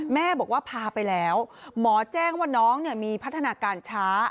แม่บอกว่าพาไปแล้วหมอแจ้งว่าน้องมีพัฒนาการช้า